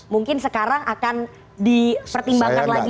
mungkin sekarang akan dipertimbangkan lagi